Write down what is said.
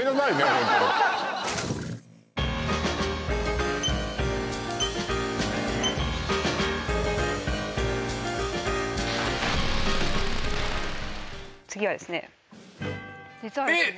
ホント次はですねえっ！